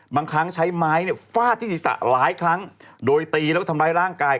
บางครั้งใช้ไม้เนี่ยฟาดที่ศีรษะหลายครั้งโดยตีแล้วก็ทำร้ายร่างกาย